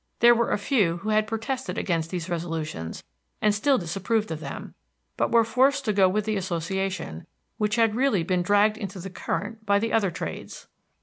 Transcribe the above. There were a few who had protested against these resolutions and still disapproved of them, but were forced to go with the Association, which had really been dragged into the current by the other trades.